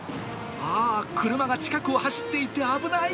あー、車が近くを走っていて危ない。